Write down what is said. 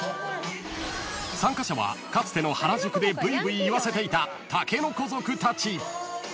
［参加者はかつての原宿でブイブイいわせていた竹の子族たち］